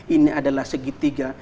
ini adalah segitiga